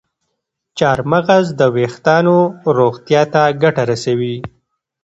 چارمغز د ویښتانو روغتیا ته ګټه رسوي.